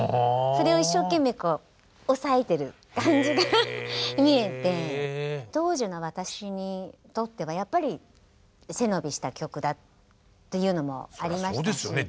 それを一生懸命抑えてる感じが見えて当時の私にとってはやっぱり背伸びした曲だっていうのもありましたし。